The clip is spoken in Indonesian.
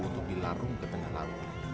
untuk dilarung ke tengah laut